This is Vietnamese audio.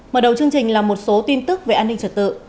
mở đầu chương trình là một số tin tức về an ninh trật tự